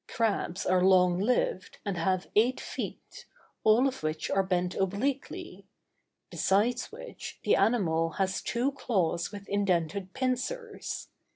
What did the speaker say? Crabs are long lived, and have eight feet, all of which are bent obliquely; besides which, the animal has two claws with indented pincers.